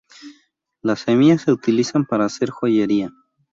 Las semillas se utilizan para hacer joyería.